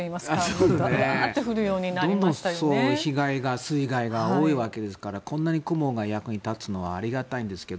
どんどん水害が多いわけですからこんなに雲が役に立つのはありがたいんですけど。